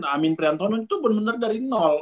amin priantono itu bener bener dari nol